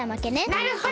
なるほど。